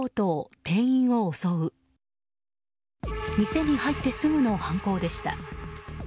店に入ってすぐの犯行でした。